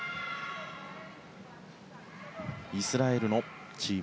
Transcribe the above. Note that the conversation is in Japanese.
イスラエルのチーム